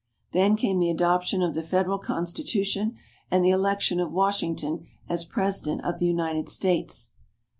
Then came the adoption of the Federal Constitution, and the election of Washington as President of the United States.